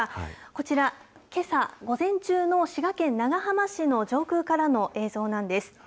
こちら、けさ、午前中の滋賀県長浜市の上空からの映像なんです。